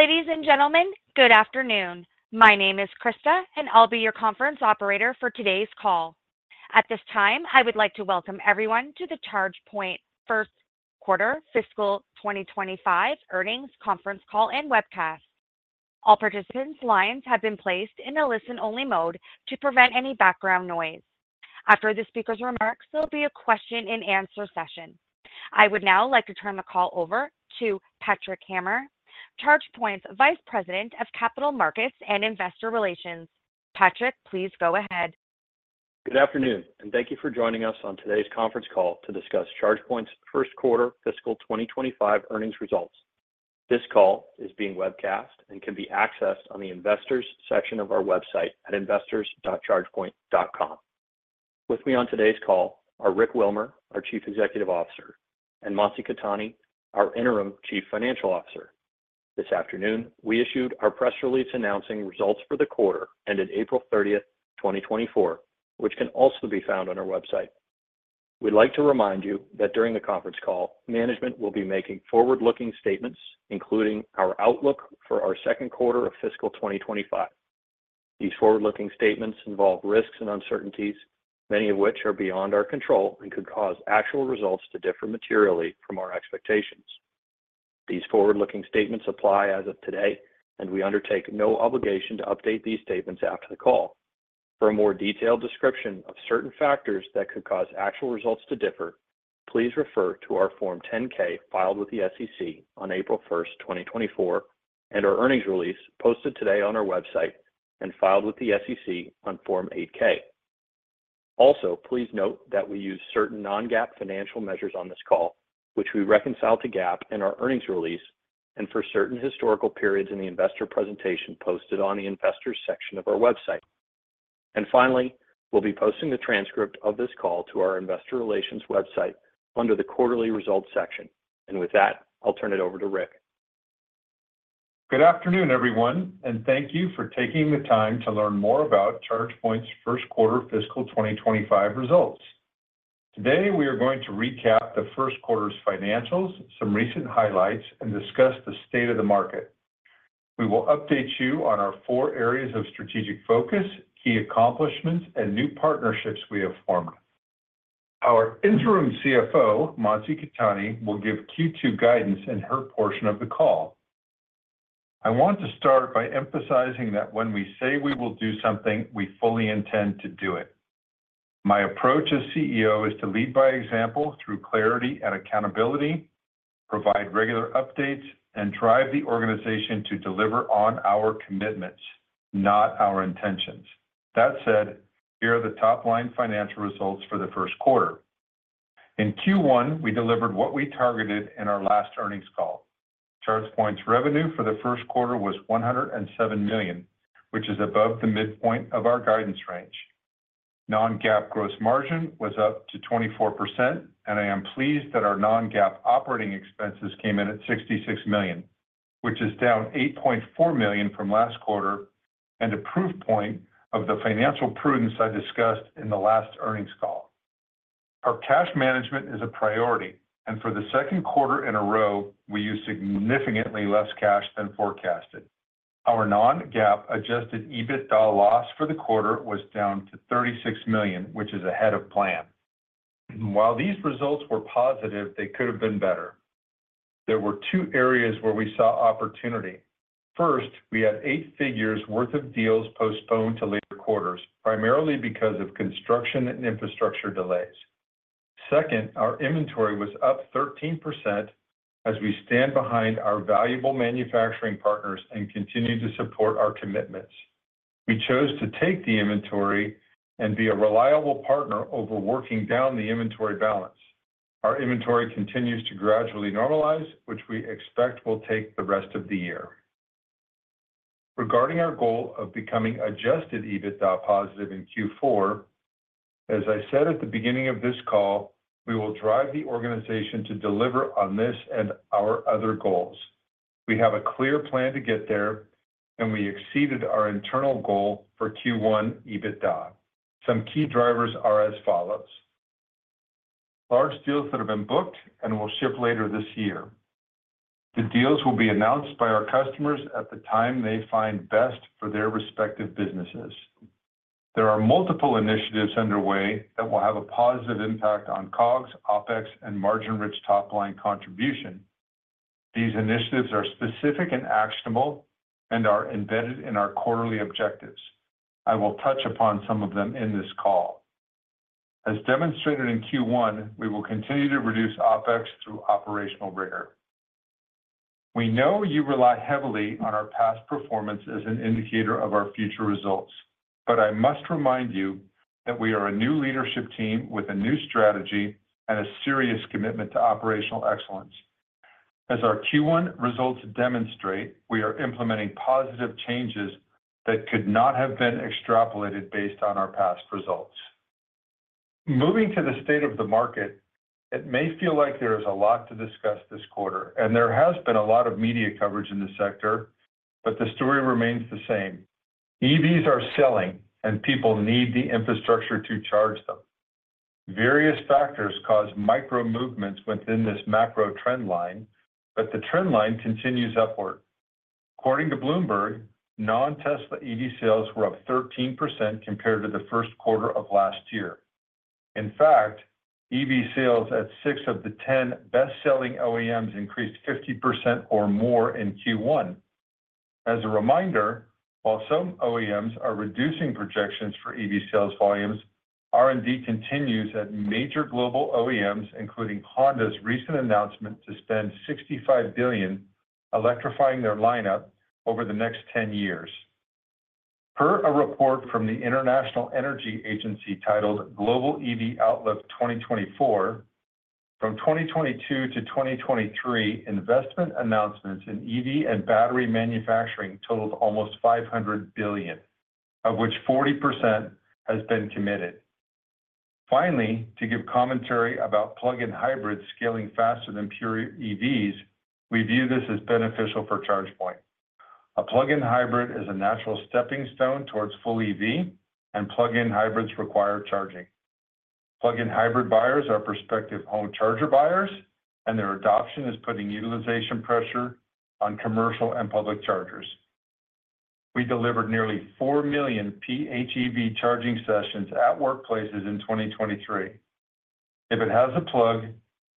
Ladies and gentlemen, good afternoon. My name is Krista, and I'll be your conference operator for today's call. At this time, I would like to welcome everyone to the ChargePoint First Quarter Fiscal 2025 Earnings Conference Call and Webcast. All participants' lines have been placed in a listen-only mode to prevent any background noise. After the speaker's remarks, there will be a question-and-answer session. I would now like to turn the call over to Patrick Hamer, ChargePoint's Vice President of Capital Markets and Investor Relations. Patrick, please go ahead. Good afternoon, and thank you for joining us on today's conference call to discuss ChargePoint's first quarter fiscal 2025 earnings results. This call is being webcast and can be accessed on the Investors section of our website at investors.chargepoint.com. With me on today's call are Rick Wilmer, our Chief Executive Officer, and Mansi Khetani, our Interim Chief Financial Officer. This afternoon, we issued our press release announcing results for the quarter, ending April 30, 2024, which can also be found on our website. We'd like to remind you that during the conference call, management will be making forward-looking statements, including our outlook for our second quarter of fiscal 2025. These forward-looking statements involve risks and uncertainties, many of which are beyond our control and could cause actual results to differ materially from our expectations. These forward-looking statements apply as of today, and we undertake no obligation to update these statements after the call. For a more detailed description of certain factors that could cause actual results to differ, please refer to our Form 10-K, filed with the SEC on April 1, 2024, and our earnings release posted today on our website and filed with the SEC on Form 8-K. Also, please note that we use certain non-GAAP financial measures on this call, which we reconcile to GAAP in our earnings release and for certain historical periods in the investor presentation posted on the investors section of our website. And finally, we'll be posting the transcript of this call to our Investor Relations website under the Quarterly Results section. And with that, I'll turn it over to Rick. Good afternoon, everyone, and thank you for taking the time to learn more about ChargePoint's first quarter fiscal 2025 results. Today, we are going to recap the first quarter's financials, some recent highlights, and discuss the state of the market. We will update you on our four areas of strategic focus, key accomplishments, and new partnerships we have formed. Our Interim CFO, Mansi Khetani, will give Q2 guidance in her portion of the call. I want to start by emphasizing that when we say we will do something, we fully intend to do it. My approach as CEO is to lead by example through clarity and accountability, provide regular updates, and drive the organization to deliver on our commitments, not our intentions. That said, here are the top-line financial results for the first quarter. In Q1, we delivered what we targeted in our last earnings call. ChargePoint's revenue for the first quarter was $107 million, which is above the midpoint of our guidance range. Non-GAAP gross margin was up to 24%, and I am pleased that our non-GAAP operating expenses came in at $66 million, which is down $8.4 million from last quarter and a proof point of the financial prudence I discussed in the last earnings call. Our cash management is a priority, and for the second quarter in a row, we used significantly less cash than forecasted. Our non-GAAP Adjusted EBITDA loss for the quarter was down to $36 million, which is ahead of plan. While these results were positive, they could have been better. There were two areas where we saw opportunity. First, we had eight figures worth of deals postponed to later quarters, primarily because of construction and infrastructure delays. Second, our inventory was up 13% as we stand behind our valuable manufacturing partners and continue to support our commitments. We chose to take the inventory and be a reliable partner over working down the inventory balance. Our inventory continues to gradually normalize, which we expect will take the rest of the year. Regarding our goal of becoming Adjusted EBITDA positive in Q4, as I said at the beginning of this call, we will drive the organization to deliver on this and our other goals. We have a clear plan to get there, and we exceeded our internal goal for Q1 EBITDA. Some key drivers are as follows: Large deals that have been booked and will ship later this year. The deals will be announced by our customers at the time they find best for their respective businesses. There are multiple initiatives underway that will have a positive impact on COGS, OpEx, and margin-rich top-line contribution. These initiatives are specific and actionable and are embedded in our quarterly objectives. I will touch upon some of them in this call. As demonstrated in Q1, we will continue to reduce OpEx through operational rigor. We know you rely heavily on our past performance as an indicator of our future results, but I must remind you that we are a new leadership team with a new strategy and a serious commitment to operational excellence. As our Q1 results demonstrate, we are implementing positive changes that could not have been extrapolated based on our past results. Moving to the state of the market, it may feel like there is a lot to discuss this quarter, and there has been a lot of media coverage in the sector, but the story remains the same. EVs are selling, and people need the infrastructure to charge them. Various factors cause micro movements within this macro trend line, but the trend line continues upward. According to Bloomberg, non-Tesla EV sales were up 13% compared to the first quarter of last year. In fact, EV sales at 6 of the 10 best-selling OEMs increased 50% or more in Q1. As a reminder, while some OEMs are reducing projections for EV sales volumes, R&D continues at major global OEMs, including Honda's recent announcement to spend $65 billion, electrifying their lineup over the next 10 years. Per a report from the International Energy Agency titled Global EV Outlook 2024, from 2022 to 2023, investment announcements in EV and battery manufacturing totaled almost $500 billion, of which 40% has been committed. Finally, to give commentary about plug-in hybrids scaling faster than pure EVs, we view this as beneficial for ChargePoint. A plug-in hybrid is a natural stepping stone towards full EV, and plug-in hybrids require charging. Plug-in hybrid buyers are prospective home charger buyers, and their adoption is putting utilization pressure on commercial and public chargers. We delivered nearly 4 million PHEV charging sessions at workplaces in 2023. If it has a plug,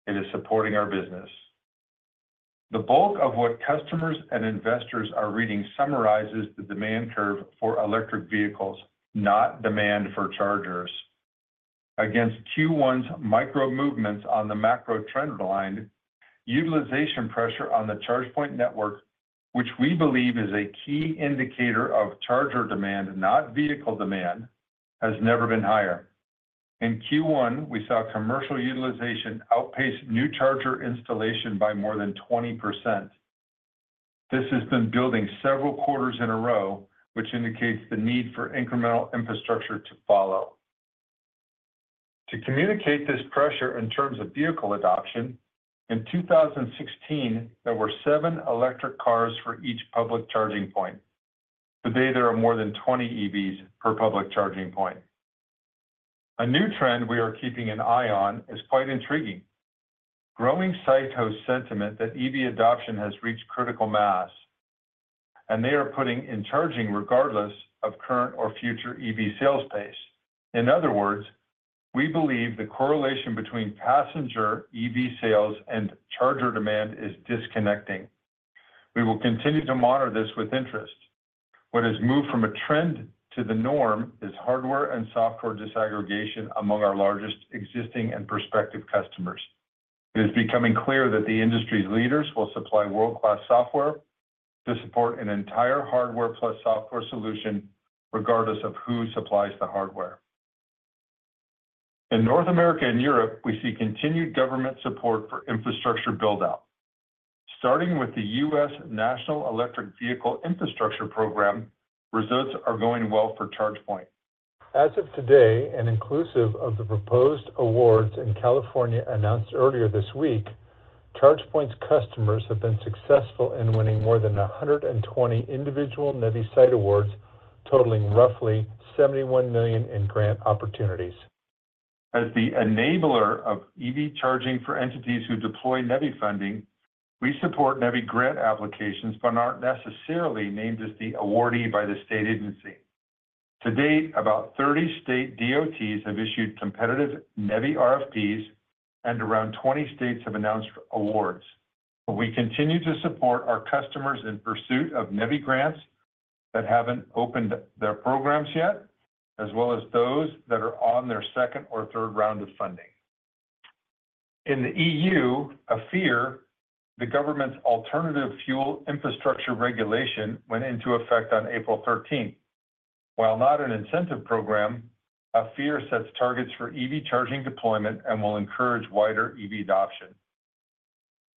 it is supporting our business. The bulk of what customers and investors are reading summarizes the demand curve for electric vehicles, not demand for chargers. Against Q1's micro movements on the macro trend line, utilization pressure on the ChargePoint network, which we believe is a key indicator of charger demand, not vehicle demand, has never been higher. In Q1, we saw commercial utilization outpace new charger installation by more than 20%. This has been building several quarters in a row, which indicates the need for incremental infrastructure to follow. To communicate this pressure in terms of vehicle adoption, in 2016, there were seven electric cars for each public charging point. Today, there are more than 20 EVs per public charging point. A new trend we are keeping an eye on is quite intriguing. Growing site host sentiment that EV adoption has reached critical mass, and they are putting in charging regardless of current or future EV sales pace. In other words, we believe the correlation between passenger EV sales and charger demand is disconnecting. We will continue to monitor this with interest. What has moved from a trend to the norm is hardware and software disaggregation among our largest existing and prospective customers. It is becoming clear that the industry's leaders will supply world-class software to support an entire hardware plus software solution, regardless of who supplies the hardware. In North America and Europe, we see continued government support for infrastructure build-out. Starting with the U.S. National Electric Vehicle Infrastructure Program, results are going well for ChargePoint. As of today, and inclusive of the proposed awards in California announced earlier this week, ChargePoint's customers have been successful in winning more than 120 individual NEVI site awards, totaling roughly $71 million in grant opportunities. As the enabler of EV charging for entities who deploy NEVI funding, we support NEVI grant applications but aren't necessarily named as the awardee by the state agency. To date, about 30 state DOTs have issued competitive NEVI RFPs, and around 20 states have announced awards. But we continue to support our customers in pursuit of NEVI grants that haven't opened their programs yet, as well as those that are on their second or third round of funding. In the EU, AFIR, the government's Alternative Fuel Infrastructure Regulation, went into effect on April thirteenth. While not an incentive program, AFIR sets targets for EV charging deployment and will encourage wider EV adoption.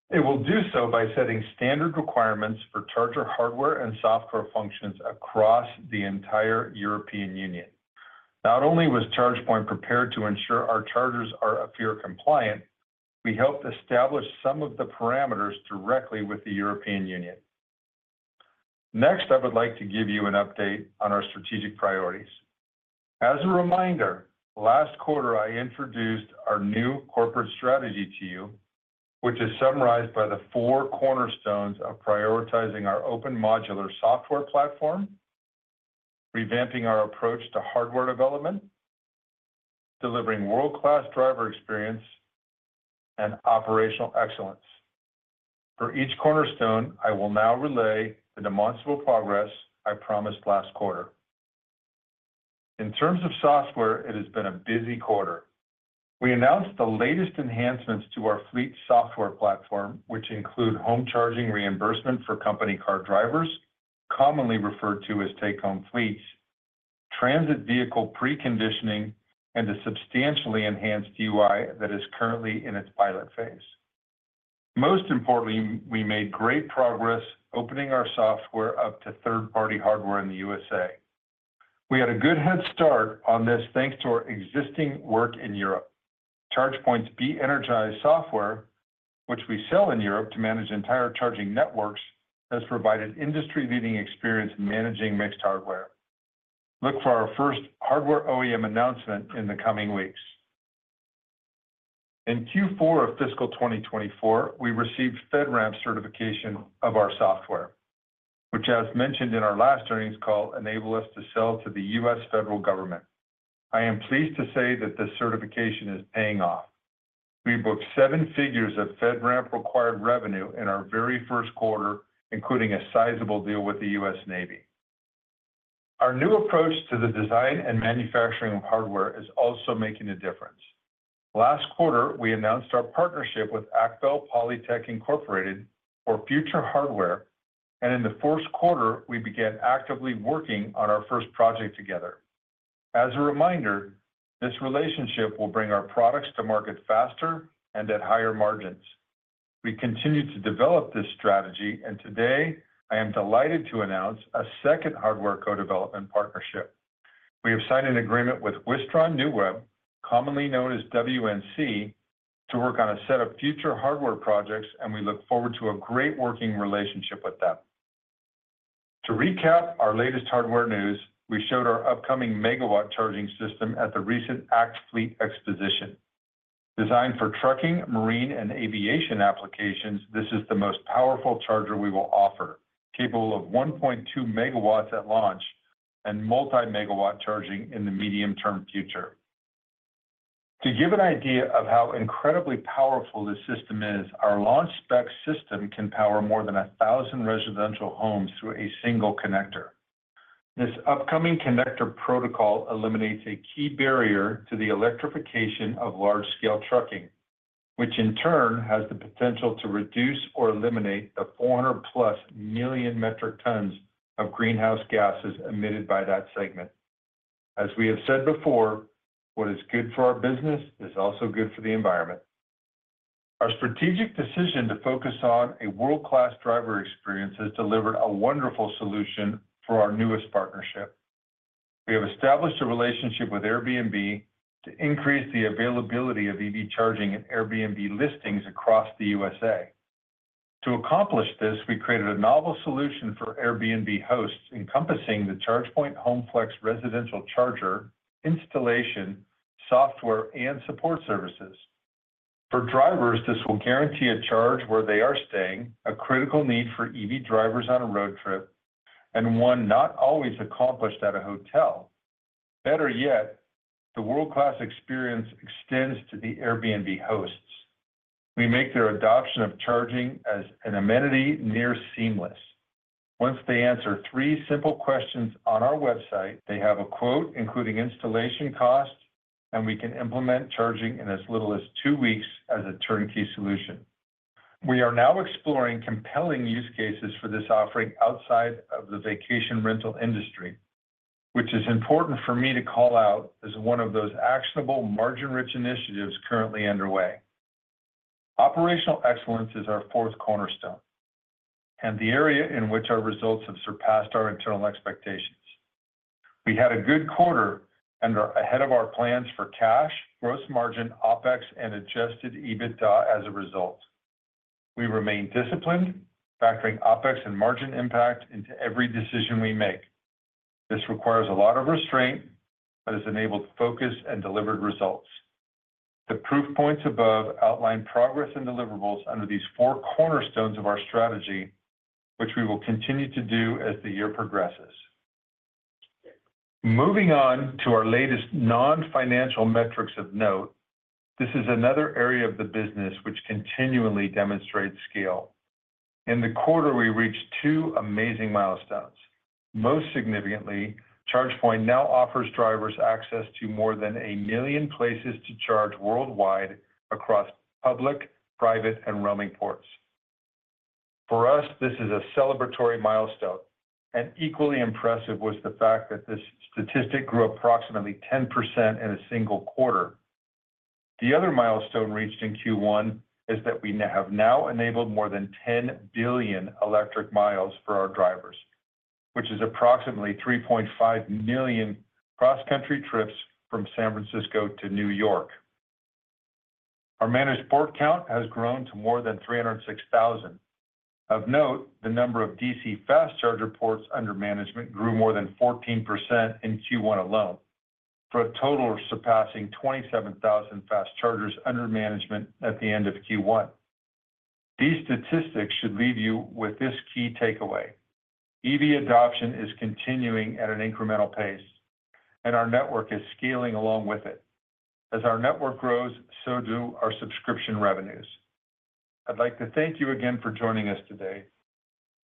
It will do so by setting standard requirements for charger hardware and software functions across the entire European Union. Not only was ChargePoint prepared to ensure our chargers are AFIR compliant, we helped establish some of the parameters directly with the European Union. Next, I would like to give you an update on our strategic priorities. As a reminder, last quarter, I introduced our new corporate strategy to you, which is summarized by the four cornerstones of prioritizing our open modular software platform, revamping our approach to hardware development, delivering world-class driver experience, and operational excellence. For each cornerstone, I will now relay the demonstrable progress I promised last quarter. In terms of software, it has been a busy quarter. We announced the latest enhancements to our fleet software platform, which include home charging reimbursement for company car drivers, commonly referred to as take-home fleets, transit vehicle preconditioning, and a substantially enhanced UI that is currently in its pilot phase. Most importantly, we made great progress opening our software up to third-party hardware in the U.S. We had a good head start on this, thanks to our existing work in Europe. ChargePoint's be. ENERGISED software, which we sell in Europe to manage entire charging networks, has provided industry-leading experience in managing mixed hardware. Look for our first hardware OEM announcement in the coming weeks. In Q4 of fiscal 2024, we received FedRAMP certification of our software, which, as mentioned in our last earnings call, enable us to sell to the U.S. federal government. I am pleased to say that this certification is paying off. We booked seven figures of FedRAMP-required revenue in our very first quarter, including a sizable deal with the U.S. Navy. Our new approach to the design and manufacturing of hardware is also making a difference. Last quarter, we announced our partnership with AcBel Polytech Incorporated for future hardware, and in the first quarter, we began actively working on our first project together. As a reminder, this relationship will bring our products to market faster and at higher margins. We continue to develop this strategy, and today I am delighted to announce a second hardware co-development partnership. We have signed an agreement with Wistron NeWeb, commonly known as WNC, to work on a set of future hardware projects, and we look forward to a great working relationship with them. To recap our latest hardware news, we showed our upcoming Megawatt Charging System at the recent ACT Expo. Designed for trucking, marine, and aviation applications, this is the most powerful charger we will offer, capable of 1.2 MW at launch and multi-megawatt charging in the medium-term future. To give an idea of how incredibly powerful this system is, our launch spec system can power more than 1,000 residential homes through a single connector. This upcoming connector protocol eliminates a key barrier to the electrification of large-scale trucking, which in turn has the potential to reduce or eliminate the 400+ million metric tons of greenhouse gases emitted by that segment. As we have said before, what is good for our business is also good for the environment. Our strategic decision to focus on a world-class driver experience has delivered a wonderful solution for our newest partnership. We have established a relationship with Airbnb to increase the availability of EV charging and Airbnb listings across the USA. To accomplish this, we created a novel solution for Airbnb hosts, encompassing the ChargePoint Home Flex residential charger, installation, software, and support services. For drivers, this will guarantee a charge where they are staying, a critical need for EV drivers on a road trip, and one not always accomplished at a hotel. Better yet, the world-class experience extends to the Airbnb hosts. We make their adoption of charging as an amenity near seamless. Once they answer three simple questions on our website, they have a quote, including installation costs, and we can implement charging in as little as two weeks as a turnkey solution. We are now exploring compelling use cases for this offering outside of the vacation rental industry, which is important for me to call out as one of those actionable, margin-rich initiatives currently underway. Operational excellence is our fourth cornerstone and the area in which our results have surpassed our internal expectations. We had a good quarter and are ahead of our plans for cash, gross margin, OpEx, and adjusted EBITDA as a result. We remain disciplined, factoring OpEx and margin impact into every decision we make. This requires a lot of restraint but has enabled focus and delivered results. The proof points above outline progress and deliverables under these four cornerstones of our strategy, which we will continue to do as the year progresses. Moving on to our latest non-financial metrics of note, this is another area of the business which continually demonstrates scale. In the quarter, we reached two amazing milestones. Most significantly, ChargePoint now offers drivers access to more than a million places to charge worldwide across public, private, and roaming ports. For us, this is a celebratory milestone, and equally impressive was the fact that this statistic grew approximately 10% in a single quarter. The other milestone reached in Q1 is that we have enabled more than 10 billion electric miles for our drivers, which is approximately 3.5 million cross-country trips from San Francisco to New York. Our managed port count has grown to more than 306,000. Of note, the number of DC fast charger ports under management grew more than 14% in Q1 alone, for a total surpassing 27,000 fast chargers under management at the end of Q1. These statistics should leave you with this key takeaway: EV adoption is continuing at an incremental pace, and our network is scaling along with it. As our network grows, so do our subscription revenues. I'd like to thank you again for joining us today.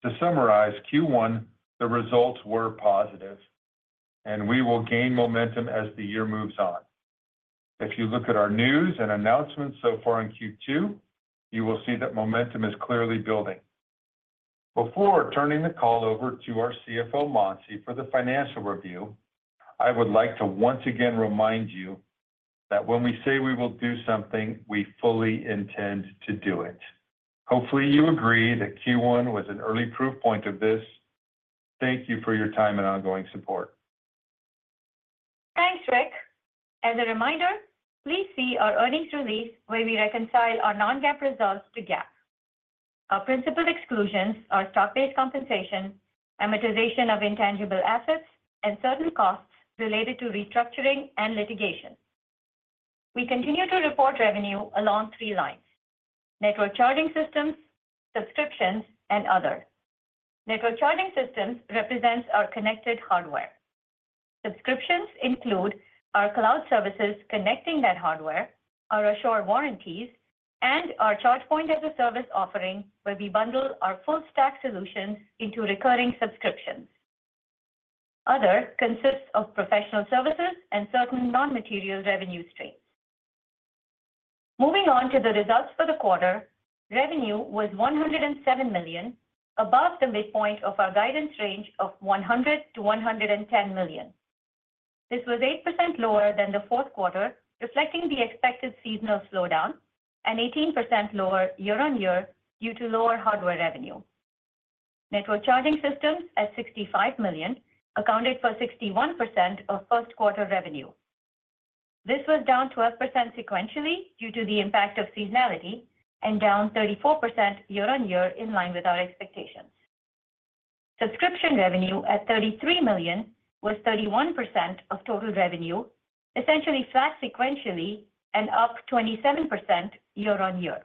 To summarize Q1, the results were positive, and we will gain momentum as the year moves on. If you look at our news and announcements so far in Q2, you will see that momentum is clearly building. Before turning the call over to our CFO, Mansi, for the financial review, I would like to once again remind you that when we say we will do something, we fully intend to do it. Hopefully, you agree that Q1 was an early proof point of this. Thank you for your time and ongoing support. Thanks, Rick. As a reminder, please see our earnings release, where we reconcile our non-GAAP results to GAAP. Our principal exclusions are stock-based compensation, amortization of intangible assets, and certain costs related to restructuring and litigation. We continue to report revenue along three lines: network charging systems, subscriptions, and other. Network charging systems represents our connected hardware. Subscriptions include our cloud services connecting that hardware, our Assure warranties, and our ChargePoint as a Service offering, where we bundle our full stack solutions into recurring subscriptions. Other consists of professional services and certain non-material revenue streams. Moving on to the results for the quarter, revenue was $107 million, above the midpoint of our guidance range of $100 million-$110 million. This was 8% lower than the fourth quarter, reflecting the expected seasonal slowdown and 18% lower year-on-year due to lower hardware revenue. Network charging systems at $65 million accounted for 61% of first quarter revenue. This was down 12% sequentially due to the impact of seasonality and down 34% year-on-year, in line with our expectations. Subscription revenue at $33 million was 31% of total revenue, essentially flat sequentially and up 27% year-on-year.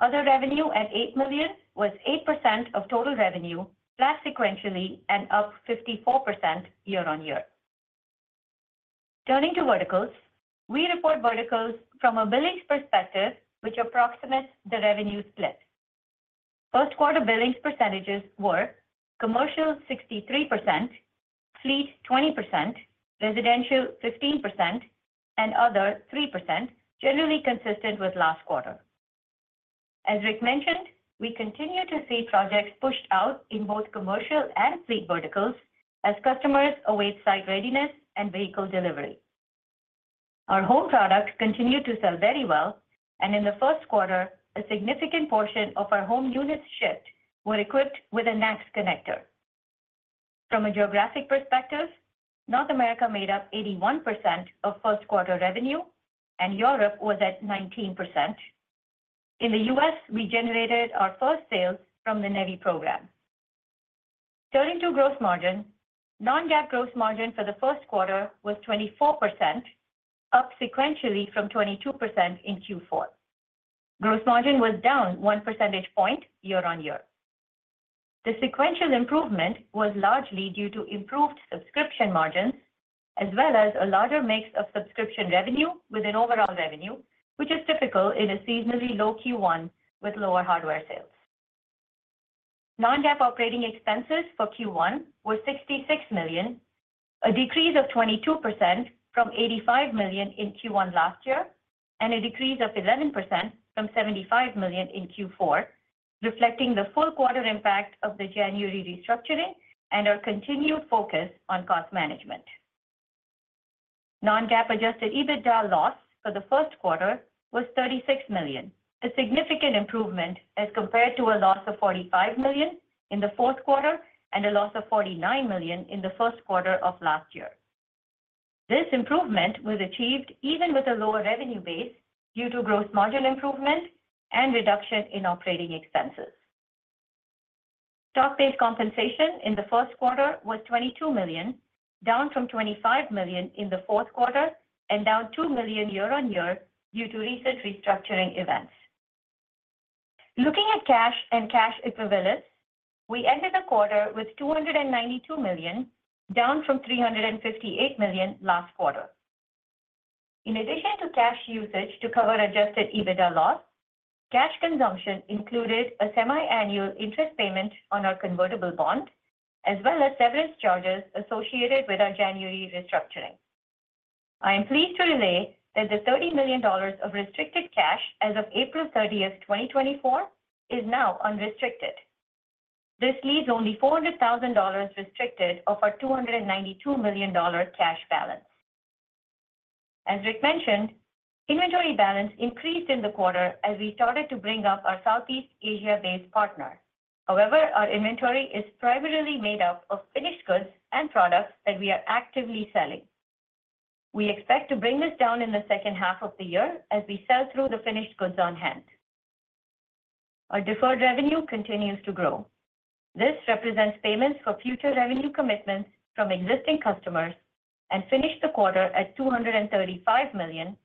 Other revenue at $8 million was 8% of total revenue, flat sequentially and up 54% year-on-year. Turning to verticals, we report verticals from a billings perspective, which approximates the revenue split. First quarter billings percentages were: commercial, 63%; fleet, 20%; residential, 15%; and other, 3%, generally consistent with last quarter. As Rick mentioned, we continue to see projects pushed out in both commercial and fleet verticals as customers await site readiness and vehicle delivery. Our home product continued to sell very well, and in the first quarter, a significant portion of our home units shipped were equipped with a NACS connector. From a geographic perspective, North America made up 81% of first quarter revenue, and Europe was at 19%. In the U.S., we generated our first sales from the NEVI program. Turning to gross margin. Non-GAAP gross margin for the first quarter was 24%, up sequentially from 22% in Q4. Gross margin was down 1 percentage point year-on-year. The sequential improvement was largely due to improved subscription margins, as well as a larger mix of subscription revenue within overall revenue, which is typical in a seasonally low Q1 with lower hardware sales. Non-GAAP operating expenses for Q1 were $66 million, a decrease of 22% from $85 million in Q1 last year, and a decrease of 11% from $75 million in Q4, reflecting the full quarter impact of the January restructuring and our continued focus on cost management. Non-GAAP adjusted EBITDA loss for the first quarter was $36 million, a significant improvement as compared to a loss of $45 million in the fourth quarter and a loss of $49 million in the first quarter of last year. This improvement was achieved even with a lower revenue base due to gross margin improvement and reduction in operating expenses. Stock-based compensation in the first quarter was $22 million, down from $25 million in the fourth quarter and down $2 million year-on-year due to recent restructuring events. Looking at cash and cash equivalents, we ended the quarter with $292 million, down from $358 million last quarter. In addition to cash usage to cover Adjusted EBITDA loss, cash consumption included a semi-annual interest payment on our convertible bond, as well as severance charges associated with our January restructuring. I am pleased to relay that the $30 million of restricted cash as of April 30, 2024, is now unrestricted. This leaves only $400,000 restricted of our $292 million cash balance. As Rick mentioned, inventory balance increased in the quarter as we started to bring up our Southeast Asia-based partner. However, our inventory is primarily made up of finished goods and products that we are actively selling. We expect to bring this down in the second half of the year as we sell through the finished goods on hand. Our deferred revenue continues to grow. This represents payments for future revenue commitments from existing customers and finished the quarter at $235 million,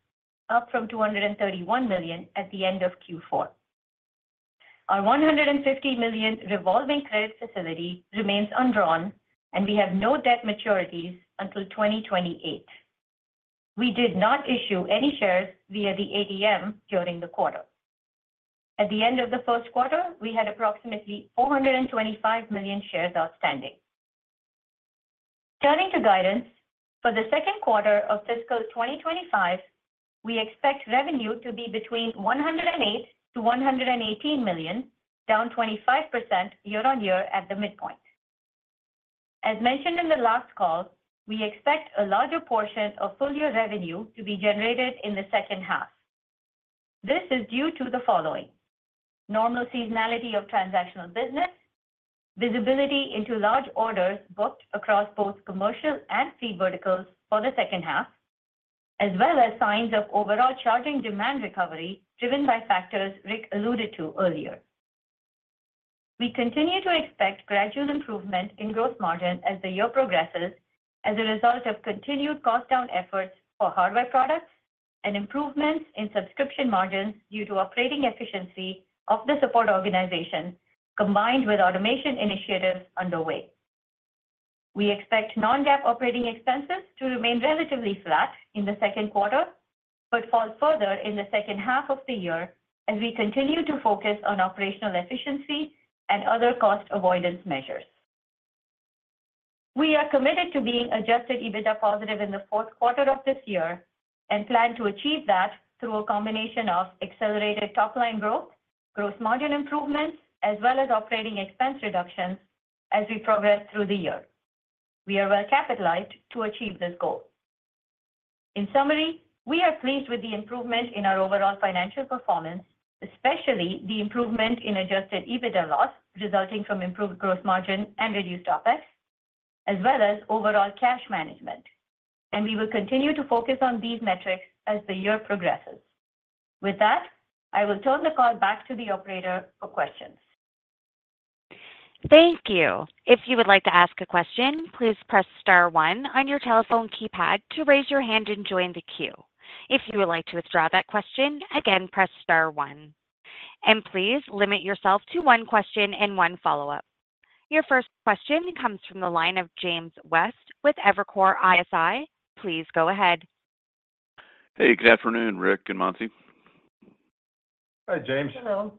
up from $231 million at the end of Q4. Our $150 million revolving credit facility remains undrawn, and we have no debt maturities until 2028. We did not issue any shares via the ADM during the quarter. At the end of the first quarter, we had approximately 425 million shares outstanding. Turning to guidance, for the second quarter of fiscal 2025, we expect revenue to be between $108 million-$118 million, down 25% year-on-year at the midpoint. As mentioned in the last call, we expect a larger portion of full-year revenue to be generated in the second half. This is due to the following: normal seasonality of transactional business, visibility into large orders booked across both commercial and fleet verticals for the second half, as well as signs of overall charging demand recovery, driven by factors Rick alluded to earlier. We continue to expect gradual improvement in gross margin as the year progresses, as a result of continued cost down efforts for hardware products and improvements in subscription margins due to operating efficiency of the support organization, combined with automation initiatives underway. We expect Non-GAAP operating expenses to remain relatively flat in the second quarter, but fall further in the second half of the year as we continue to focus on operational efficiency and other cost avoidance measures. We are committed to being Adjusted EBITDA positive in the fourth quarter of this year, and plan to achieve that through a combination of accelerated top line growth, gross margin improvements, as well as operating expense reductions as we progress through the year. We are well capitalized to achieve this goal. In summary, we are pleased with the improvement in our overall financial performance, especially the improvement in Adjusted EBITDA loss, resulting from improved gross margin and reduced OpEx, as well as overall cash management, and we will continue to focus on these metrics as the year progresses. With that, I will turn the call back to the operator for questions. Thank you. If you would like to ask a question, please press star one on your telephone keypad to raise your hand and join the queue. If you would like to withdraw that question, again, press star one, and please limit yourself to one question and one follow-up. Your first question comes from the line of James West with Evercore ISI. Please go ahead. Hey, good afternoon, Rick and Mansi. Hi, James. Hello.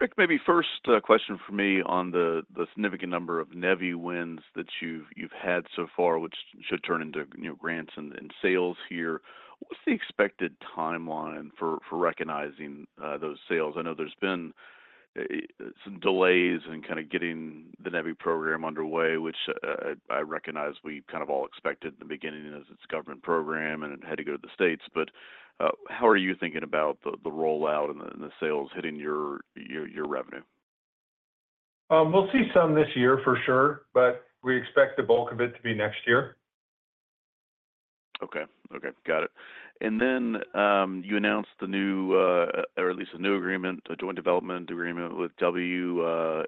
Rick, maybe first question for me on the significant number of NEVI wins that you've had so far, which should turn into, you know, grants and sales here. What's the expected timeline for recognizing those sales? I know there's been some delays in kind of getting the NEVI program underway, which I recognize we kind of all expected in the beginning as it's a government program and it had to go to the States. But how are you thinking about the rollout and the sales hitting your revenue? We'll see some this year for sure, but we expect the bulk of it to be next year. Okay. Okay, got it. And then, you announced the new, or at least a new agreement, a joint development agreement with WNC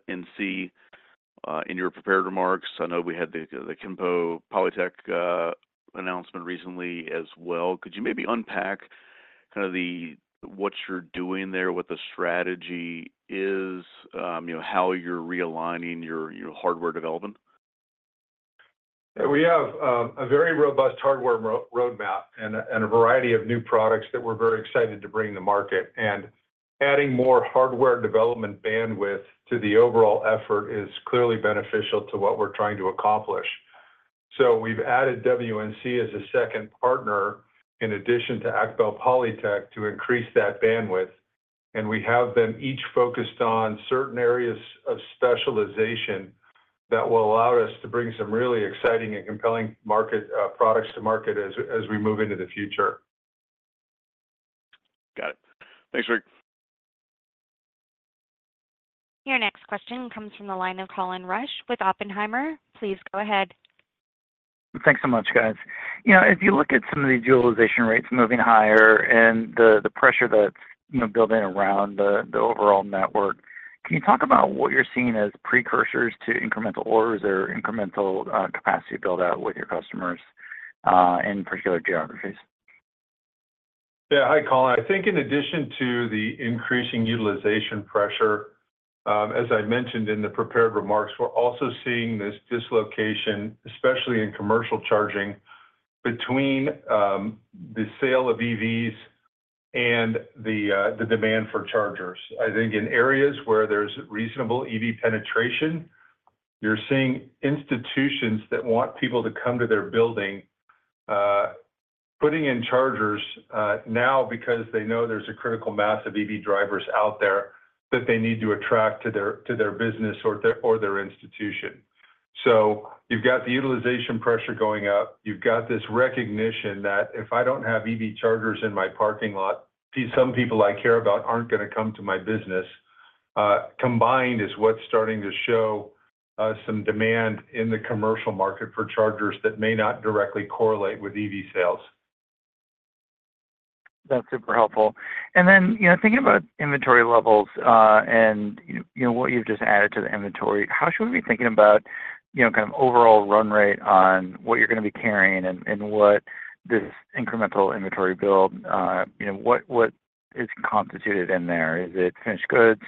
in your prepared remarks. I know we had the AcBel Polytech announcement recently as well. Could you maybe unpack kind of the, what you're doing there, what the strategy is, you know, how you're realigning your hardware development? We have a very robust hardware roadmap and a variety of new products that we're very excited to bring to market. Adding more hardware development bandwidth to the overall effort is clearly beneficial to what we're trying to accomplish. So we've added WNC as a second partner, in addition to AcBel Polytech, to increase that bandwidth, and we have them each focused on certain areas of specialization that will allow us to bring some really exciting and compelling market products to market as we move into the future. Got it. Thanks, Rick. Your next question comes from the line of Colin Rusch with Oppenheimer. Please go ahead. Thanks so much, guys. You know, if you look at some of the utilization rates moving higher and the pressure that's, you know, building around the overall network, can you talk about what you're seeing as precursors to incremental orders or incremental capacity build-out with your customers in particular geographies? Yeah. Hi, Colin. I think in addition to the increasing utilization pressure, as I mentioned in the prepared remarks, we're also seeing this dislocation, especially in commercial charging, between the sale of EVs and the demand for chargers. I think in areas where there's reasonable EV penetration, you're seeing institutions that want people to come to their building, putting in chargers now because they know there's a critical mass of EV drivers out there that they need to attract to their business or their institution. So you've got the utilization pressure going up. You've got this recognition that if I don't have EV chargers in my parking lot, some people I care about aren't gonna come to my business. Combined is what's starting to show some demand in the commercial market for chargers that may not directly correlate with EV sales. That's super helpful. And then, you know, thinking about inventory levels, and you know, what you've just added to the inventory, how should we be thinking about, you know, kind of overall run rate on what you're gonna be carrying and, and what this incremental inventory build, you know, what, what is constituted in there? Is it finished goods?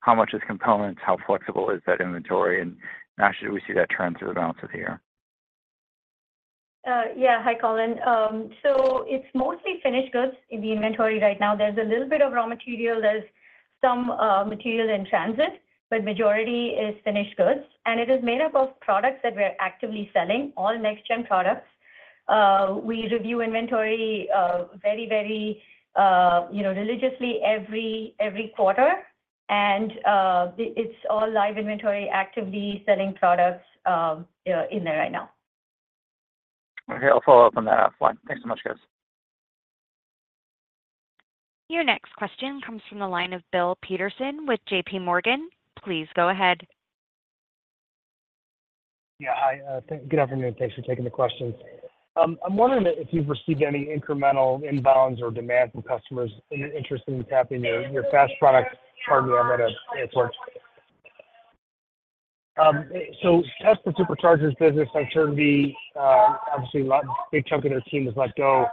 How much is components? How flexible is that inventory, and how should we see that turn through the balance of the year? Yeah. Hi, Colin. So it's mostly finished goods in the inventory right now. There's a little bit of raw material. There's some material in transit, but majority is finished goods, and it is made up of products that we're actively selling, all next gen products. We review inventory very, very, you know, religiously every quarter, and it's all live inventory, actively selling products in there right now. Okay, I'll follow up on that offline. Thanks so much, guys. Your next question comes from the line of Bill Peterson with J.P. Morgan. Please go ahead. Yeah, hi. Good afternoon. Thanks for taking the questions. I'm wondering if you've received any incremental inbounds or demand from customers interested in tapping your fast product? Pardon me, I'm gonna mince words. So Tesla Superchargers business by turnkey, obviously, a lot, big chunk of their team is let go.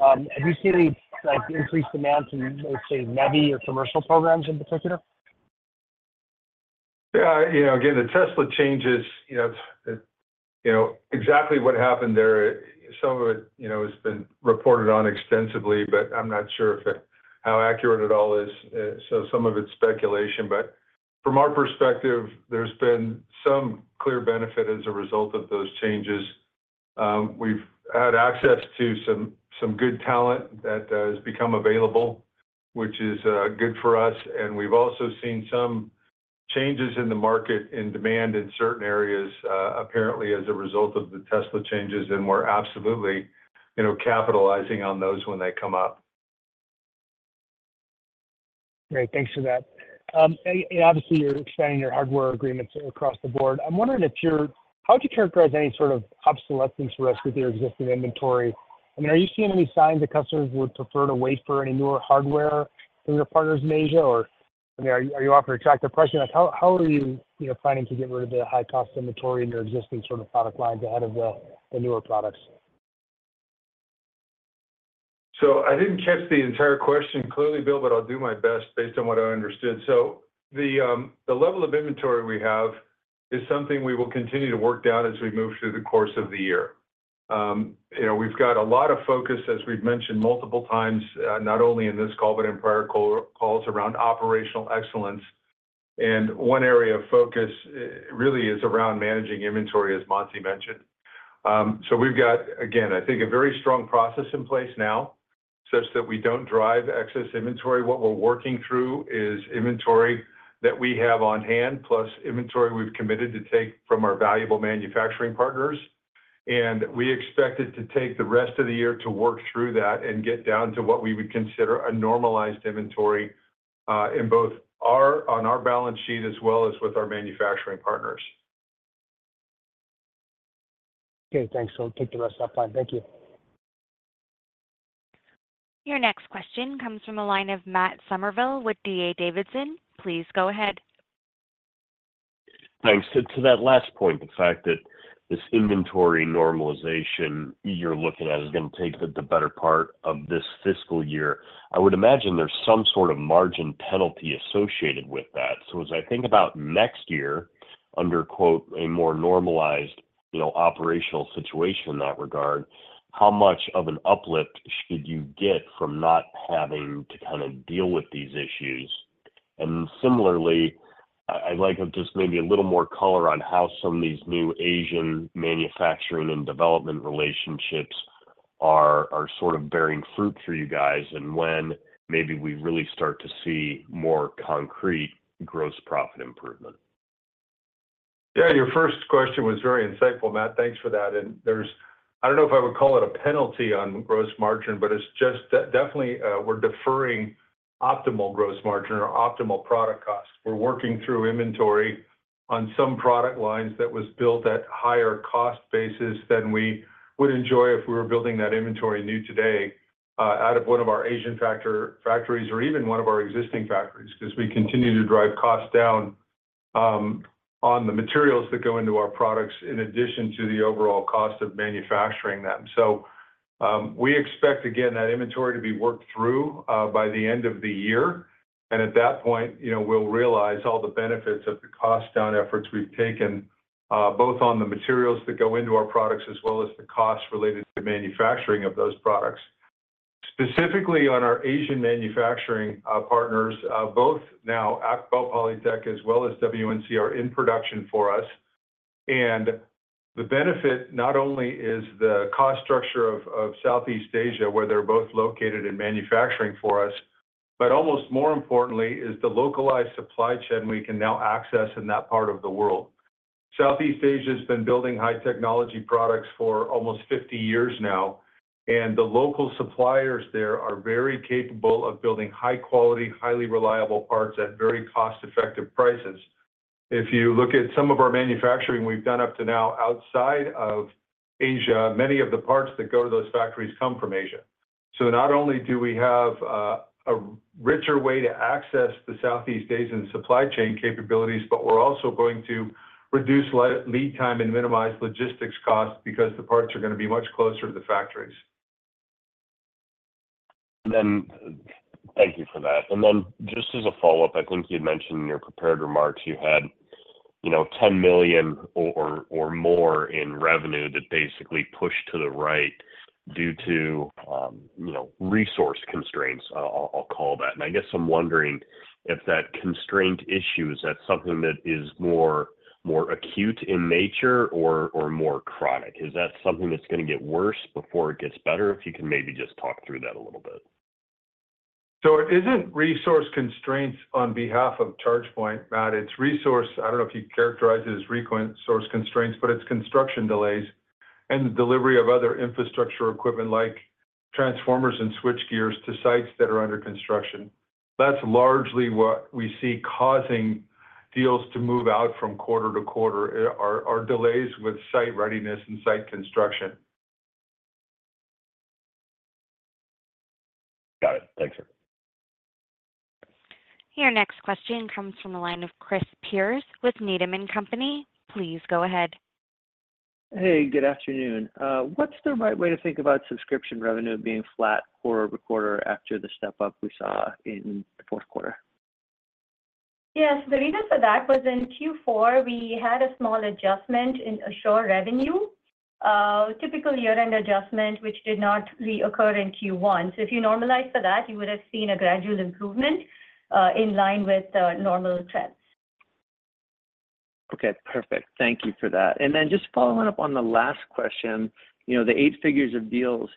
Have you seen any, like, increased demands in, let's say, NEVI or commercial programs in particular? Yeah, you know, again, the Tesla changes, you know exactly what happened there. Some of it, you know, has been reported on extensively, but I'm not sure if it is how accurate it all is. So some of it's speculation, but from our perspective, there's been some clear benefit as a result of those changes. We've had access to some good talent that has become available, which is good for us. And we've also seen some changes in the market, in demand in certain areas, apparently, as a result of the Tesla changes, and we're absolutely, you know, capitalizing on those when they come up. Great. Thanks for that. And obviously, you're expanding your hardware agreements across the board. I'm wondering if you're—how would you characterize any sort of obsolescence risk with your existing inventory? I mean, are you seeing any signs that customers would prefer to wait for any newer hardware from your partners in Asia? Or, I mean, are you offering attractive pricing? Like, how are you, you know, planning to get rid of the high-cost inventory in your existing sort of product lines ahead of the newer products? So I didn't catch the entire question clearly, Bill, but I'll do my best based on what I understood. So the level of inventory we have is something we will continue to work down as we move through the course of the year. You know, we've got a lot of focus, as we've mentioned multiple times, not only in this call but in prior call-calls around operational excellence. And one area of focus, really is around managing inventory, as Monty mentioned. So we've got, again, I think, a very strong process in place now, such that we don't drive excess inventory. What we're working through is inventory that we have on hand, plus inventory we've committed to take from our valuable manufacturing partners. We expect it to take the rest of the year to work through that and get down to what we would consider a normalized inventory, in both on our balance sheet as well as with our manufacturing partners. Okay, thanks. I'll take the rest offline. Thank you. Your next question comes from the line of Matt Summerville with D.A. Davidson. Please go ahead. Thanks. To that last point, the fact that this inventory normalization you're looking at is gonna take the better part of this fiscal year. I would imagine there's some sort of margin penalty associated with that. So as I think about next year, under "a more normalized," you know, operational situation in that regard, how much of an uplift should you get from not having to kind of deal with these issues? And similarly, I'd like just maybe a little more color on how some of these new Asian manufacturing and development relationships are sort of bearing fruit for you guys, and when maybe we really start to see more concrete gross profit improvement. Yeah, your first question was very insightful, Matt. Thanks for that. And there's... I don't know if I would call it a penalty on gross margin, but it's just that definitely, we're deferring optimal gross margin or optimal product costs. We're working through inventory on some product lines that was built at higher cost basis than we would enjoy if we were building that inventory new today, out of one of our Asian factories or even one of our existing factories. 'Cause we continue to drive costs down, on the materials that go into our products, in addition to the overall cost of manufacturing them. So, we expect, again, that inventory to be worked through, by the end of the year. And at that point, you know, we'll realize all the benefits of the cost down efforts we've taken, both on the materials that go into our products as well as the costs related to manufacturing of those products. Specifically, on our Asian manufacturing partners, both now, AcBel Polytech as well as WNC, are in production for us. And the benefit not only is the cost structure of Southeast Asia, where they're both located in manufacturing for us, but almost more importantly is the localized supply chain we can now access in that part of the world. Southeast Asia has been building high technology products for almost 50 years now, and the local suppliers there are very capable of building high quality, highly reliable parts at very cost-effective prices. If you look at some of our manufacturing we've done up to now outside of Asia, many of the parts that go to those factories come from Asia. So not only do we have a richer way to access the Southeast Asian supply chain capabilities, but we're also going to reduce lead time and minimize logistics costs because the parts are gonna be much closer to the factories. Thank you for that. Then just as a follow-up, I think you had mentioned in your prepared remarks, you know, $10 million or more in revenue that basically pushed to the right due to, you know, resource constraints, I'll call that. And I guess I'm wondering if that constraint issue, is that something that is more acute in nature or more chronic? Is that something that's gonna get worse before it gets better? If you can maybe just talk through that a little bit. So it isn't resource constraints on behalf of ChargePoint, Matt, it's resource. I don't know if you'd characterize it as frequent resource constraints, but it's construction delays and the delivery of other infrastructure equipment like transformers and switchgear to sites that are under construction. That's largely what we see causing deals to move out from quarter to quarter, are delays with site readiness and site construction. Got it. Thanks, sir. Your next question comes from the line of Chris Pierce with Needham & Company. Please go ahead. Hey, good afternoon. What's the right way to think about subscription revenue being flat quarter-over-quarter after the step up we saw in the fourth quarter? Yes, the reason for that was in Q4, we had a small adjustment in Assure revenue, typical year-end adjustment, which did not reoccur in Q1. So if you normalize for that, you would have seen a gradual improvement, in line with the normal trends. Okay, perfect. Thank you for that. And then just following up on the last question, you know, the eight figures of deals,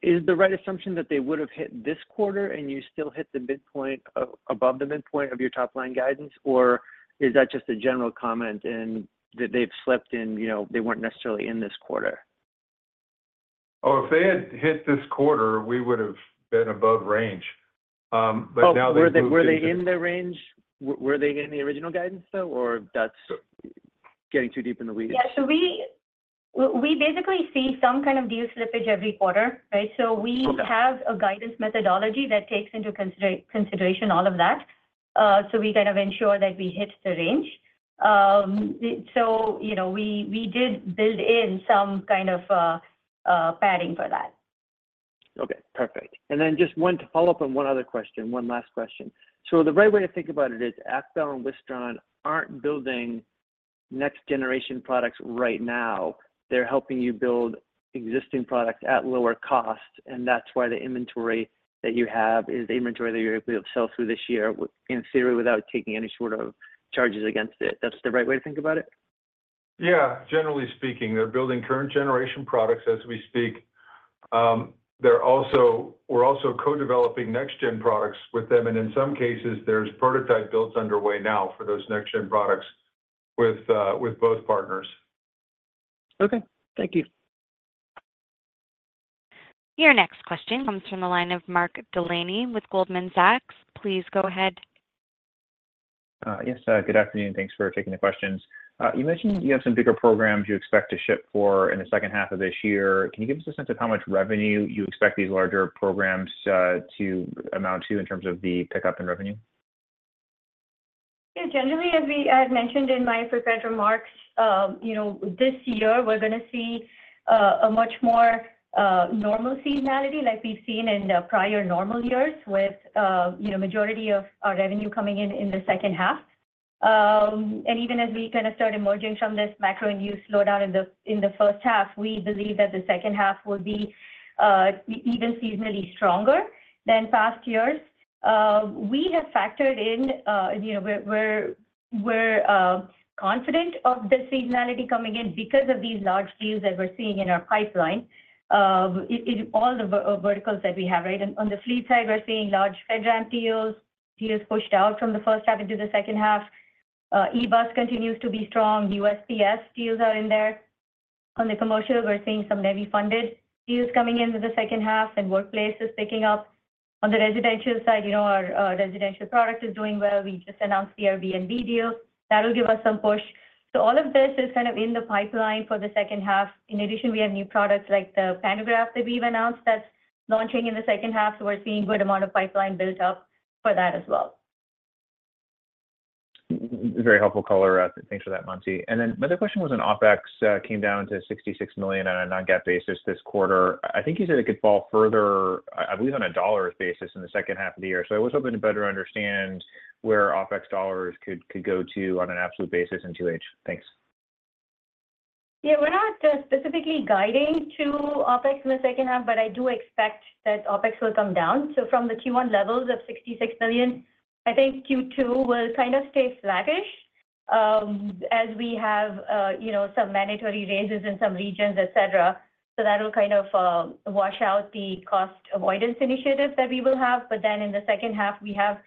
is the right assumption that they would have hit this quarter, and you still hit the midpoint of—above the midpoint of your top-line guidance? Or is that just a general comment and that they've slipped in, you know, they weren't necessarily in this quarter? Oh, if they had hit this quarter, we would have been above range. But now they- Oh, were they, were they in the range? Were they in the original guidance, though, or that's getting too deep in the weeds? Yeah. So we basically see some kind of deal slippage every quarter, right? Okay. So we have a guidance methodology that takes into consideration all of that, so we kind of ensure that we hit the range. You know, we did build in some kind of padding for that. Okay, perfect. And then just one to follow up on one other question, one last question. So the right way to think about it is AcBel and Wistron aren't building next generation products right now. They're helping you build existing product at lower cost, and that's why the inventory that you have is the inventory that you're able to sell through this year, with, in theory, without taking any sort of charges against it. That's the right way to think about it? Yeah. Generally speaking, they're building current generation products as we speak. We're also co-developing next gen products with them, and in some cases, there's prototype builds underway now for those next gen products with both partners. Okay, thank you. Your next question comes from the line of Mark Delaney with Goldman Sachs. Please go ahead. Yes, good afternoon. Thanks for taking the questions. You mentioned you have some bigger programs you expect to ship for in the second half of this year. Can you give us a sense of how much revenue you expect these larger programs to amount to in terms of the pickup in revenue? Yeah, generally, as we, as mentioned in my prepared remarks, you know, this year we're gonna see a much more normal seasonality like we've seen in the prior normal years with, you know, majority of our revenue coming in in the second half. And even as we kind of start emerging from this macro-induced slowdown in the first half, we believe that the second half will be even seasonally stronger than past years. We have factored in, you know, we're confident of the seasonality coming in because of these large deals that we're seeing in our pipeline, in all the verticals that we have, right? On the fleet side, we're seeing large FedRAMP deals, deals pushed out from the first half into the second half. E-bus continues to be strong. USPS deals are in there. On the commercial, we're seeing some NEVI-funded deals coming in with the second half, and workplace is picking up. On the residential side, you know, our residential product is doing well. We just announced the Airbnb deal. That will give us some push. So all of this is kind of in the pipeline for the second half. In addition, we have new products like the Pantograph that we've announced, that's launching in the second half, so we're seeing good amount of pipeline built up for that as well. Very helpful color. Thanks for that, Mansi. And then my other question was on OpEx, came down to $66 million on a non-GAAP basis this quarter. I think you said it could fall further, I believe, on a dollar basis in the second half of the year. So I was hoping to better understand where OpEx dollars could go to on an absolute basis in 2H. Thanks. Yeah, we're not specifically guiding to OpEx in the second half, but I do expect that OpEx will come down. So from the Q1 levels of $66 million, I think Q2 will kind of stay sluggish, as we have, you know, some mandatory raises in some regions, et cetera. So that will kind of wash out the cost avoidance initiatives that we will have. But then in the second half, we have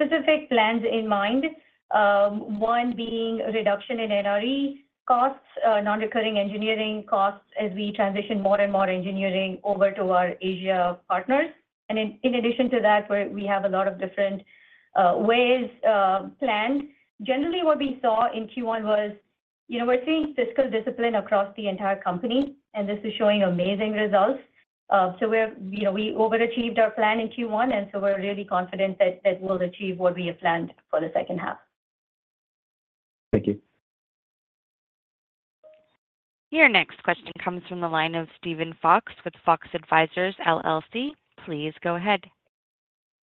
specific plans in mind, one being a reduction in NRE costs, non-recurring engineering costs, as we transition more and more engineering over to our Asia partners. And in addition to that, we have a lot of different ways planned. Generally, what we saw in Q1 was, you know, we're seeing fiscal discipline across the entire company, and this is showing amazing results. So we're, you know, we overachieved our plan in Q1, and so we're really confident that we'll achieve what we have planned for the second half. Thank you. Your next question comes from the line of Steven Fox, with Fox Advisors LLC. Please go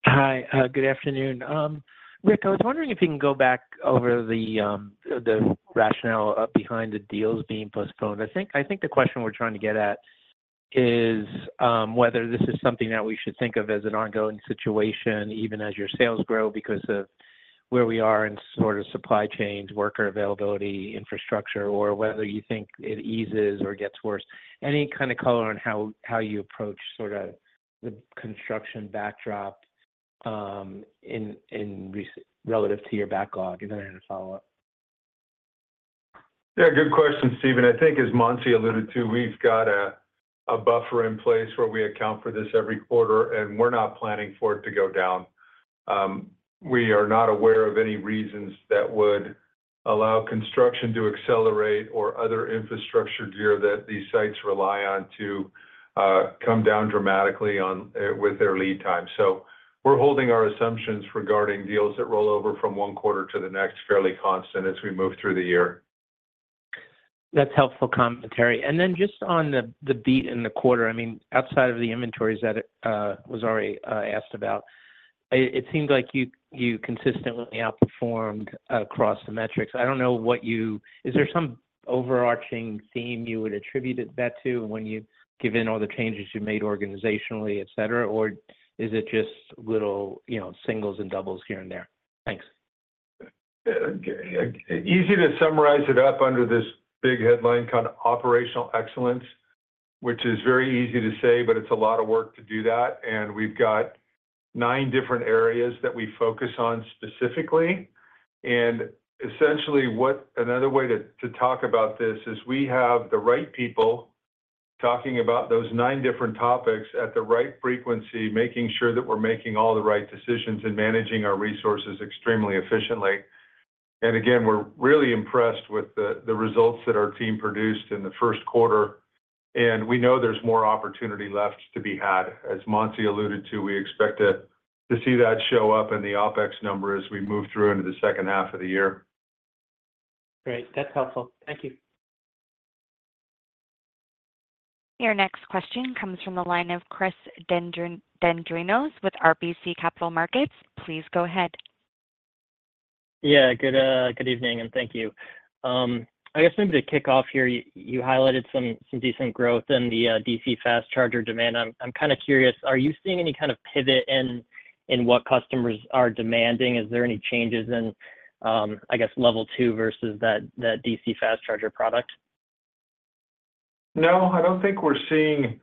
ahead. Hi. Good afternoon. Rick, I was wondering if you can go back over the rationale behind the deals being postponed. I think the question we're trying to get at is whether this is something that we should think of as an ongoing situation, even as your sales grow, because of, where we are in sort of supply chains, worker availability, infrastructure, or whether you think it eases or gets worse. Any kind of color on how you approach sort of the construction backdrop, in relative to your backlog? And then I had a follow-up. Yeah, good question, Steven. I think as Mansi alluded to, we've got a buffer in place where we account for this every quarter, and we're not planning for it to go down. We are not aware of any reasons that would allow construction to accelerate or other infrastructure gear that these sites rely on to come down dramatically with their lead time. So we're holding our assumptions regarding deals that roll over from one quarter to the next, fairly constant as we move through the year. That's helpful commentary. And then just on the beat in the quarter, I mean, outside of the inventories that it was already asked about, it seems like you consistently outperformed across the metrics. I don't know what you-- Is there some overarching theme you would attribute it-- that to when you've given all the changes you've made organizationally, et cetera? Or is it just little, you know, singles and doubles here and there? Thanks. Easy to summarize it up under this big headline, kind of operational excellence, which is very easy to say, but it's a lot of work to do that, and we've got nine different areas that we focus on specifically. And essentially, another way to talk about this is we have the right people talking about those nine different topics at the right frequency, making sure that we're making all the right decisions and managing our resources extremely efficiently. And again, we're really impressed with the results that our team produced in the first quarter, and we know there's more opportunity left to be had. As Mansi alluded to, we expect to see that show up in the OpEx number as we move through into the second half of the year. Great. That's helpful. Thank you. Your next question comes from the line of Chris Dendrinos with RBC Capital Markets. Please go ahead. Yeah, good, good evening, and thank you. I guess maybe to kick off here, you, you highlighted some, some decent growth in the DC Fast Charger demand. I'm, I'm kind of curious, are you seeing any kind of pivot in, in what customers are demanding? Is there any changes in, I guess, Level 2 versus that, that DC Fast Charger product? No, I don't think we're seeing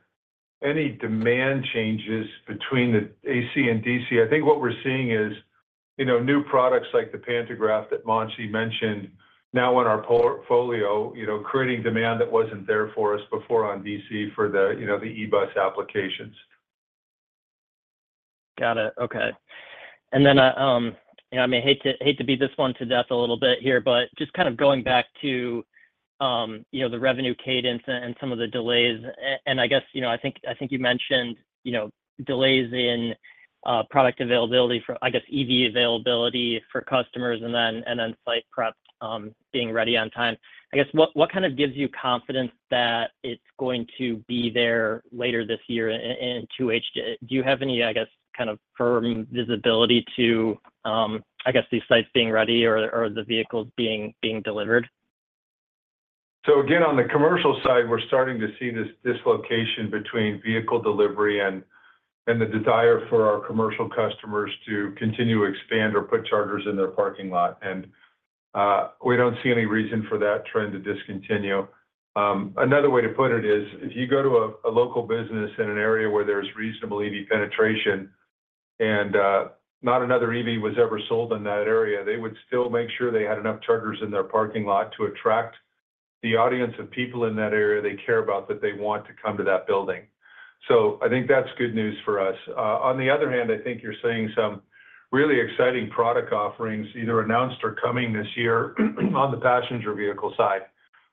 any demand changes between the AC and DC. I think what we're seeing is, you know, new products like the pantograph that Mansi mentioned now in our portfolio, you know, creating demand that wasn't there for us before on DC for the, you know, the e-bus applications. Got it. Okay. And then, and I may hate to, hate to beat this one to death a little bit here, but just kind of going back to, you know, the revenue cadence and, and some of the delays. And I guess, you know, I think, I think you mentioned, you know, delays in, product availability for, I guess, EV availability for customers and then, and then site prep, being ready on time. I guess, what, what kind of gives you confidence that it's going to be there later this year in, in 2H? Do you have any, I guess, kind of firm visibility to, I guess, these sites being ready or, or the vehicles being, being delivered? So again, on the commercial side, we're starting to see this dislocation between vehicle delivery and the desire for our commercial customers to continue to expand or put chargers in their parking lot. We don't see any reason for that trend to discontinue. Another way to put it is, if you go to a local business in an area where there's reasonable EV penetration and not another EV was ever sold in that area, they would still make sure they had enough chargers in their parking lot to attract the audience of people in that area they care about, that they want to come to that building. So I think that's good news for us. On the other hand, I think you're seeing some really exciting product offerings, either announced or coming this year on the passenger vehicle side.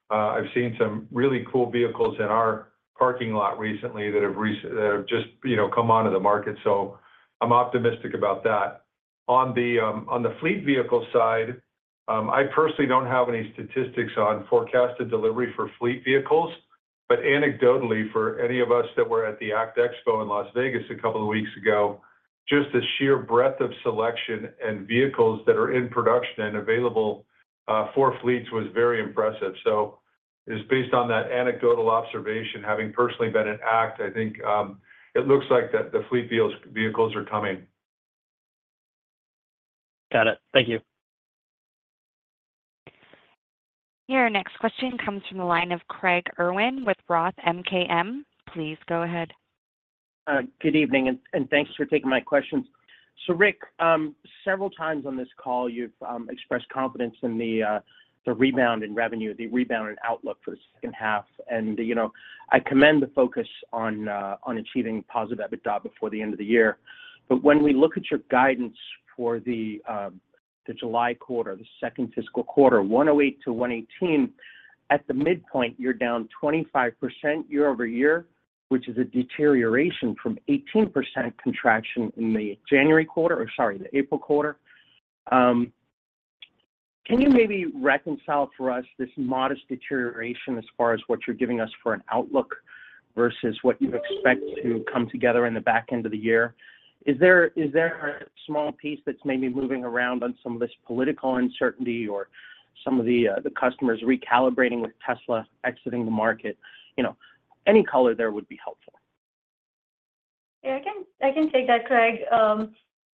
I've seen some really cool vehicles in our parking lot recently that have just, you know, come onto the market, so I'm optimistic about that. On the fleet vehicle side, I personally don't have any statistics on forecasted delivery for fleet vehicles, but anecdotally, for any of us that were at the ACT Expo in Las Vegas a couple of weeks ago, just the sheer breadth of selection and vehicles that are in production and available for fleets was very impressive. So it's based on that anecdotal observation, having personally been at ACT, I think it looks like that the fleet vehicles are coming. Got it. Thank you. Your next question comes from the line of Craig Irwin with Roth MKM. Please go ahead. Good evening, and thanks for taking my questions. So, Rick, several times on this call, you've expressed confidence in the rebound in revenue, the rebound in outlook for the second half. You know, I commend the focus on achieving positive EBITDA before the end of the year. But when we look at your guidance for the July quarter, the second fiscal quarter, $108-$118, at the midpoint, you're down 25% year-over-year, which is a deterioration from 18% contraction in the January quarter, or sorry, the April quarter. Can you maybe reconcile for us this modest deterioration as far as what you're giving us for an outlook versus what you expect to come together in the back end of the year? Is there, is there a small piece that's maybe moving around on some of this political uncertainty or some of the, the customers recalibrating with Tesla exiting the market? You know, any color there would be helpful. Yeah, I can, I can take that, Craig.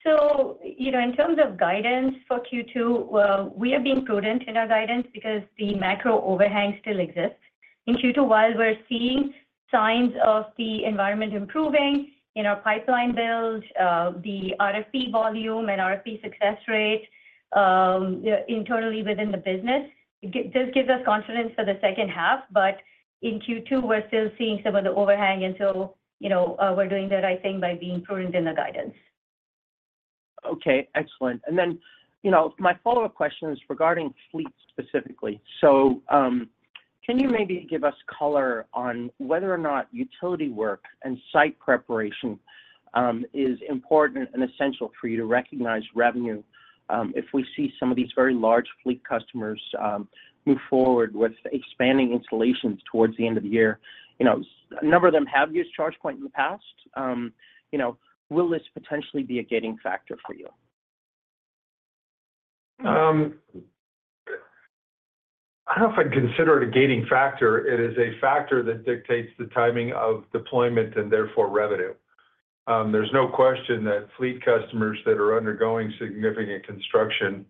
So, you know, in terms of guidance for Q2, well, we are being prudent in our guidance because the macro overhang still exists. In Q2, while we're seeing signs of the environment improving in our pipeline build, the RFP volume and RFP success rate, yeah, internally within the business, this gives us confidence for the second half. But in Q2, we're still seeing some of the overhang until, you know, we're doing the right thing by being prudent in the guidance. Okay, excellent. And then, you know, my follow-up question is regarding fleet specifically. So, can you maybe give us color on whether or not utility work and site preparation is important and essential for you to recognize revenue, if we see some of these very large fleet customers move forward with expanding installations towards the end of the year? You know, a number of them have used ChargePoint in the past. You know, will this potentially be a gating factor for you? I don't know if I'd consider it a gating factor. It is a factor that dictates the timing of deployment and therefore revenue. There's no question that fleet customers that are undergoing significant construction,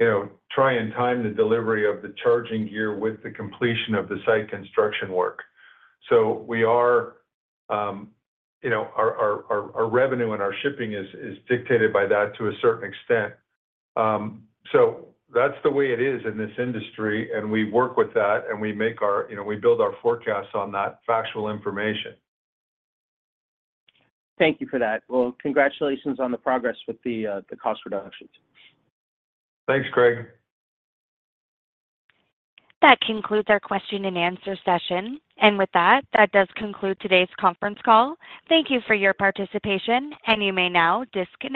you know, try and time the delivery of the charging year with the completion of the site construction work. So we are, you know, our revenue and our shipping is dictated by that to a certain extent. So that's the way it is in this industry, and we work with that, and we make our-- You know, we build our forecasts on that factual information. Thank you for that. Well, congratulations on the progress with the cost reductions. Thanks, Craig. That concludes our question and answer session. With that, that does conclude today's conference call. Thank you for your participation, and you may now disconnect.